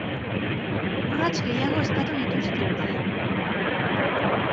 Urrats gehiago eskatu dituzte, ordea.